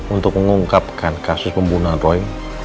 untuk mengungkapkan kasus pembunuhan roy